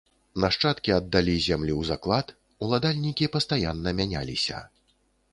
Нашчадкі аддалі землі ў заклад, уладальнікі пастаянна мяняліся.